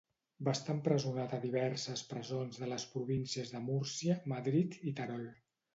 Va estar empresonat a diverses presons de les províncies de Múrcia, Madrid i Terol.